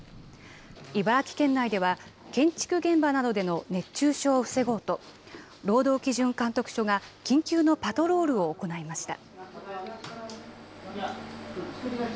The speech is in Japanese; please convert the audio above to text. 茨城県内では建築現場などでの熱中症を防ごうと労働基準監督署が緊急のパトロールを行いました。